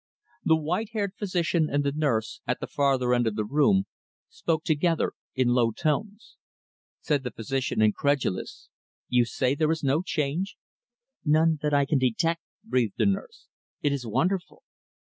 The white haired physician and the nurse, at the farther end of the room, spoke together in low tones. Said the physician, incredulous, "You say there is no change?" "None that I can detect," breathed the nurse. "It is wonderful!"